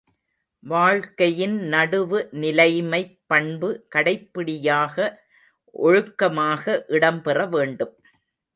வாழ்க்கையில் நடுவு நிலைமைப் பண்பு கடைப்பிடியாக ஒழுக்கமாக இடம் பெற வேண்டும்.